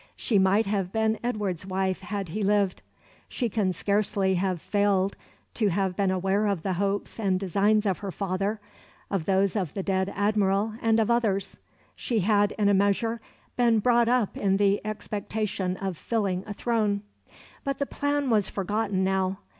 She might have been Edward's wife, had he lived. She can scarcely have failed to have been aware of the hopes and designs of her father, of those of the dead Admiral, and of others; she had, in a measure, been brought up in the expectation of filling a throne. But the plan was forgotten now.